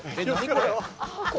これ」